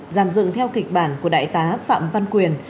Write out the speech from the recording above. giàn dựng theo kịch bản của đại tá phạm văn quyền